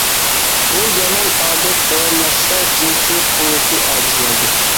بۇ يامان ئادەت داۋاملاشسا جىنسى قۇۋۋىتى ئاجىزلايدۇ.